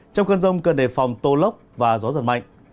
trong cơn rông cần đề phòng tô lốc và gió giật mạnh